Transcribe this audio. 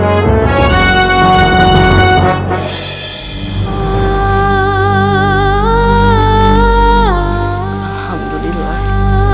aku sangat merindukanmu